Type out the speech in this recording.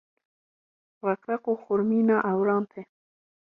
req req û xurmîna ewran tê.